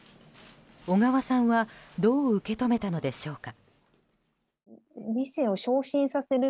小川さんはどう受け止めたのでしょうか。